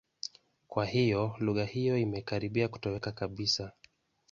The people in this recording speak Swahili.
Kwa hiyo, lugha hiyo imekaribia kutoweka kabisa.